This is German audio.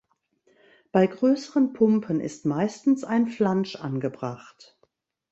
Bei größeren Pumpen ist meistens ein Flansch angebracht.